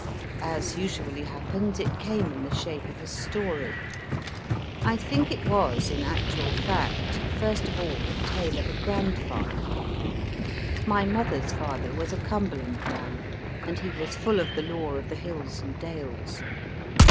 As usually happens, it came in the shape of a story. 1 think it was, in actual fact, first of all, a tale of a grandfather. My mother s STY HEAD PASS father was a Cumberland man, and he was full of the lore of the hills and dales.